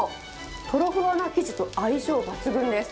とろふわな生地と相性抜群です。